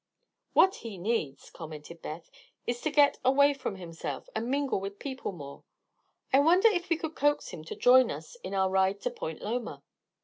"What he needs," commented Beth, "is to get away from himself, and mingle with people more. I wonder if we could coax him to join us in our ride to Point Loma."